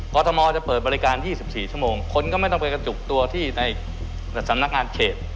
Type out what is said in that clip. กรทมจะเปิดบริการ๒๔ชั่วโมงคนก็ไม่ต้องไปกระจุกตัวที่ในสำนักงานเขต